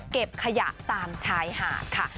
เก็บขยะตามชายหาดค่ะ